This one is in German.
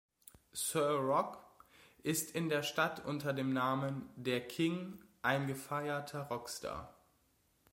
Sir Rock ist in der Stadt unter dem Namen „der King“ ein gefeierter Rockstar.